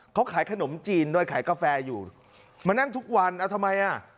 เขาขายขนมจีนโดยขายกาแฟอยู่มานั่งทุกวันเอาทำไมอ่ะ